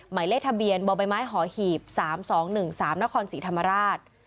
หมายเลขทะเบียนบมหฮ๓๒๑๓นศธรรมราช